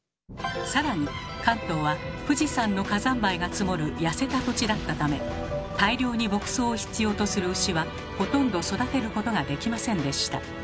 更に関東は富士山の火山灰が積もる痩せた土地だったため大量に牧草を必要とする牛はほとんど育てることができませんでした。